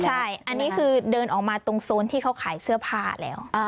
ใช่อันนี้คือเดินออกมาตรงโซนที่เขาขายเสื้อผ้าแล้ว